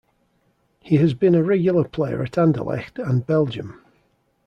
He has been a regular player at Anderlecht and Belgium.